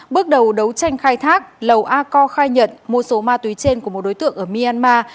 bước đầu đấu tranh khai thác lầu a co khai nhận mua số ma túy trên của một đối tượng ở myanmar